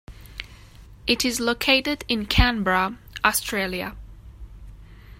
It is located in Canberra, Australia.